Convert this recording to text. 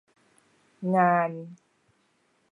งาน